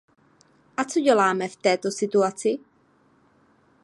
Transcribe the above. A co děláme v této situaci?